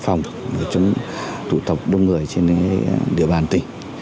phòng chống tội phạm phòng chống tội phạm trên địa bàn tỉnh